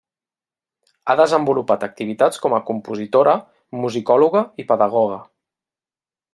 Ha desenvolupat activitats com a compositora, musicòloga i pedagoga.